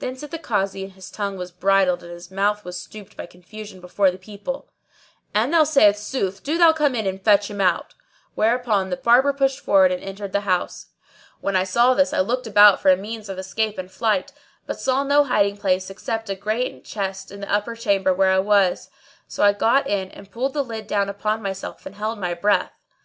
Then said the Kazi (and his tongue was bridled and his mouth was stopped by confusion before the people), "An thou say sooth, do thou come in and fetch him out." Whereupon the Barber pushed forward and entered the house. When I saw this I looked about for a means of escape and flight, but saw no hiding place except a great chest in the upper chamber where I was. So I got into it and pulled the lid down upon myself and held my breath.